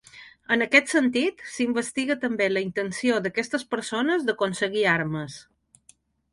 En aquest sentit, s’investiga també la intenció d’aquestes persones d’aconseguir armes.